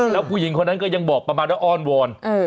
แล้วผู้หญิงคนนั้นก็ยังบอกประมาณว่าอ้อนวอน